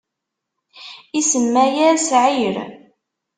isemma-yas Ɛir.